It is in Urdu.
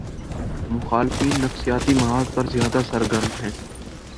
مخالفین نفسیاتی محاذ پر زیادہ سرگرم ہیں۔